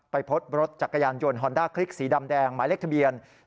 พบรถจักรยานยนต์ฮอนด้าคลิกสีดำแดงหมายเลขทะเบียน